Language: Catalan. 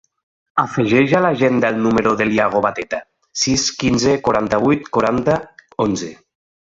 Afegeix a l'agenda el número de l'Iago Beteta: sis, quinze, quaranta-vuit, quaranta, onze.